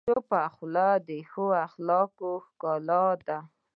چپه خوله، د ښه اخلاقو ښکلا ده.